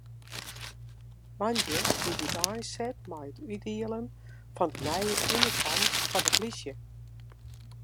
Moandei is úteinset mei it útdielen fan de nije unifoarms foar de polysje.